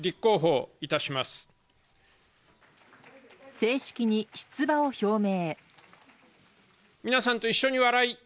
正式に出馬を表明。